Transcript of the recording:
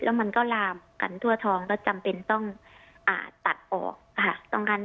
แล้วมันก็ลามกันทั่วทองก็จำเป็นต้องตัดออกค่ะ